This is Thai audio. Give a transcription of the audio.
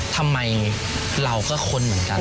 ทำไมเราก็ค้นเหมือนกัน